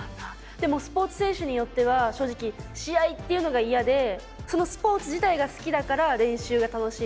でもスポーツ選手によっては正直試合っていうのが嫌でそのスポーツ自体が好きだから練習が楽しい。